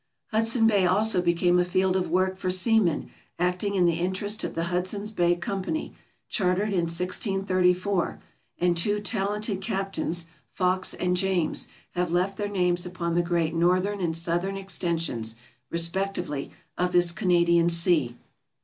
Hudson Bay also became a field of work for seamen acting in the interest of the Hudson's Bay Company, chartered in 1634; and two talented captains, Fox and James, have left their names upon the great northern and southern extensions, re spectively, of this Canadian sea.